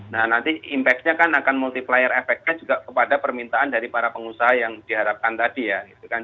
nah nanti impactnya kan akan multiplier efeknya juga kepada permintaan dari para pengusaha yang diharapkan tadi ya